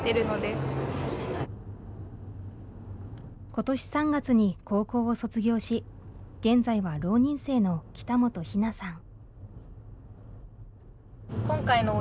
今年３月に高校を卒業し現在は浪人生の北本陽菜さん。